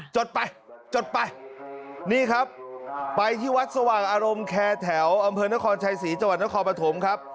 จดไปจดไปนี่ครับไปที่วัดสว่างอารมณ์แคร์แถวอำเภอนครชัยศรีจังหวัดนครปฐมครับ